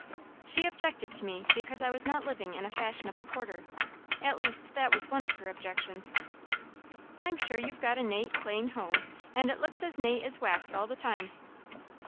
"She objected to me because I was not living in a fashionable quarter at least that was one of her objections." "I'm sure you've got a nate, clane home, and it looks as nate as wax all the time."